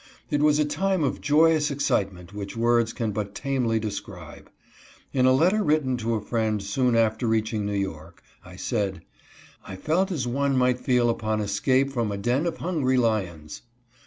It was a time of joyous excitement which words can but tamely describe. In a (250) NEW YORK AN UNSAFE REFUGE. 251 letter written to a friend soon after reaching New York, I said :" I felt as one might feel upon escape from a den of hungry lions.